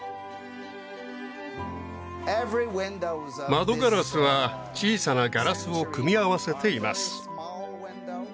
窓ガラスは小さなガラスを組み合わせています